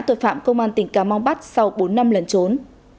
tội phạm công an tỉnh cà mau bắt sau bốn năm lần trốn